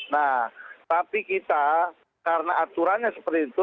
nah tapi kita karena aturannya seperti itu